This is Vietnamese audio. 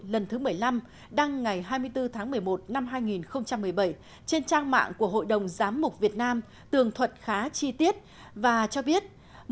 lần thứ một mươi năm đăng ngày hai mươi bốn tháng một mươi một năm hai nghìn một mươi bảy trên trang mạng của hội đồng giám mục việt nam tường thuật khá chi tiết và cho biết